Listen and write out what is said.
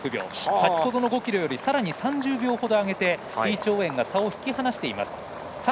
先ほどの５ｋｍより３０秒ほど上げて李朝燕が引き離しています。